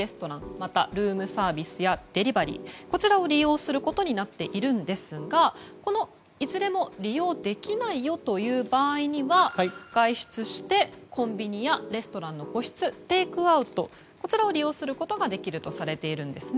また、ルームサービスやデリバリーを利用することになっているんですがこのいずれも利用できないという場合には外出してコンビニやレストランの個室テイクアウトを利用することができるとされているんですね。